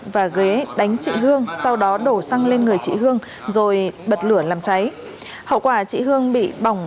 và ghế đánh chị hương sau đó đổ xăng lên người chị hương rồi bật lửa làm cháy hậu quả chị hương bị bỏng